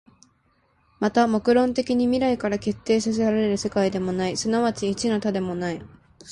また目的論的に未来から決定せられる世界でもない、即ち一の多でもない。